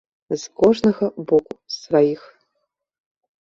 З кожнага боку сваіх.